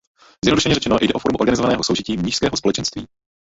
Zjednodušeně řečeno jde o formu organizovaného soužití mnišského společenství.